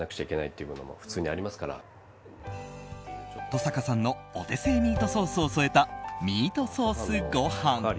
登坂さんのお手製ミートソースを添えたミートソースご飯。